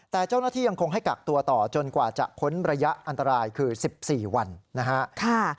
แต่เจ้าหน้าที่ยังคงให้กักตัวต่อจนกว่าจะพ้นระยะอันตรายคือ๑๔วันนะฮะ